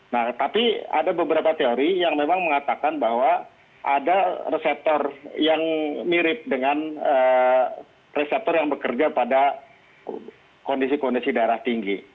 nah tapi ada beberapa teori yang memang mengatakan bahwa ada reseptor yang mirip dengan reseptor yang bekerja pada kondisi kondisi darah tinggi